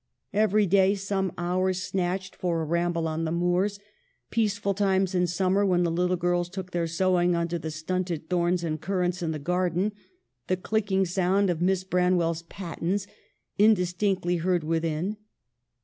Every day, some hour snatched for a ramble on the moors ; peaceful times in summer when the little girls took their sewing under the stunted thorns and currants in the garden, the clicking sound of Miss Branwell's pattens indistinctly heard within.